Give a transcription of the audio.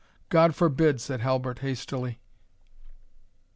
"God forbid!" said Halbert, hastily.